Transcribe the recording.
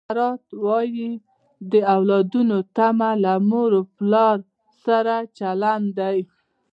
سقراط وایي د اولادونو تمه له مور او پلار سره چلند دی.